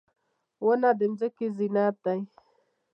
• ونه د ځمکې زینت دی.